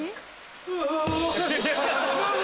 うわ！